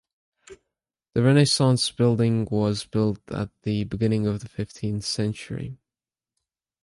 The Renaissance building was built at the beginning of the fifteenth century.